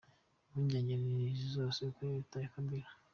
Impungenge ni zose kuri Leta ya Kabila: